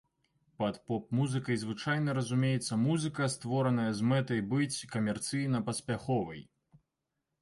Пад поп-музыкай звычайна разумеецца музыка, створаная з мэтай быць камерцыйна паспяховай.